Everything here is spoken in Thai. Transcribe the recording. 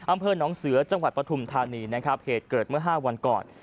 อำเภอน้องเสือจังหวัดปฐุมธานีนะครับเหตุเกิดเมื่อ๕วันก่อน